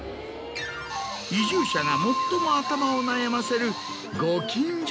移住者が最も頭を悩ませる。